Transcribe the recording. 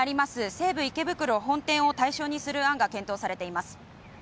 西武池袋本店を対象にする案が検討されています